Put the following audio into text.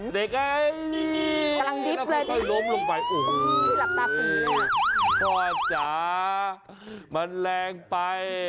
เด็กไอ้นักมือค่อยล้มลงไปโอ้โหพ่อจ๋ามันแรงไป